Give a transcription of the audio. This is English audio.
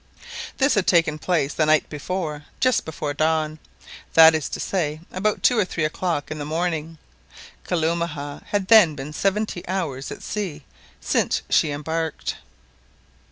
This had taken place the night before, just before dawn—that is to say, about two or three o'clock in the morning. Kalumah had then been seventy hours at sea since she embarked!